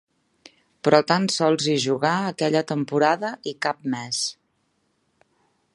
Però tan sols hi jugà aquella temporada i cap més.